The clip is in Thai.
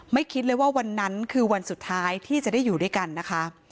คิดเลยว่าวันนั้นคือวันสุดท้ายที่จะได้อยู่ด้วยกันนะคะ